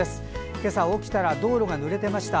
今朝、起きたら道路がぬれていました。